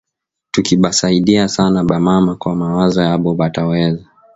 Tuki ba saidia sana ba mama kwa mawazo yabo bata weza